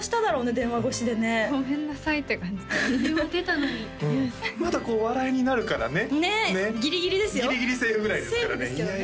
電話越しでねごめんなさいって感じで電話出たのにってねまだこう笑いになるからねねっギリギリですよギリギリセーフぐらいですからね